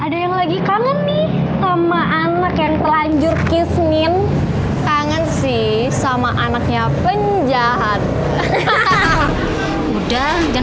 ada yang lagi kangen nih sama anak yang telanjur kismin kangen sih sama anaknya penjahat udah jangan